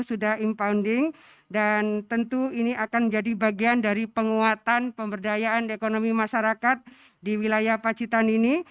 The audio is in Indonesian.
sudah empounding dan tentu ini akan menjadi bagian dari penguatan pemberdayaan ekonomi masyarakat di wilayah pacitan ini